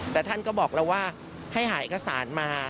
แต่ท่านก็บอกแล้วว่าให้หาเอกสารมา